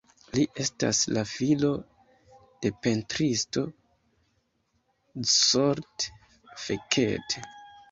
Li estas la filo de pentristo Zsolt Fekete.